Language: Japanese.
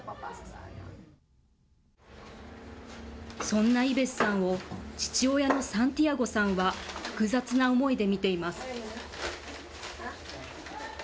そんなイベスさんを、父親のサンティアゴさんは複雑な思いで見ています。